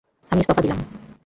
আমি ইস্তফা দিলাম।